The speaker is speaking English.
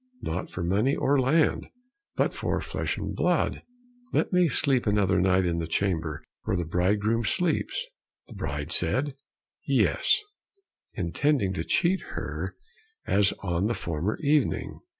"Not for money or land, but for flesh and blood; let me sleep another night in the chamber where the bridegroom sleeps." The bride said, "Yes," intending to cheat her as on the former evening.